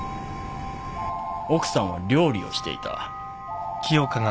奥さんは料理をしていた。